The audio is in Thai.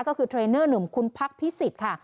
ก็คือเทรนเนอร์หนุ่มคุณพักพิสิทธิ์ค่ะ